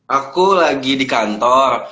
aku lagi di kantor